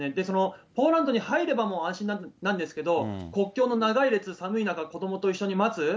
そのポーランドに入れば、もう安心なんですけど、国境の長い列、寒い中、子どもと一緒に待つ。